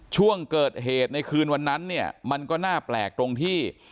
ช่วงเกิดเหตุในคืนวันนั้นเนี่ยมันก็น่าแปลกตรงที่